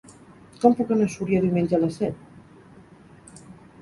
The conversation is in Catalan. Com puc anar a Súria diumenge a les set?